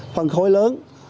phân khối lớn